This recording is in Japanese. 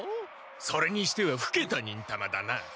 それにしてはふけた忍たまだな。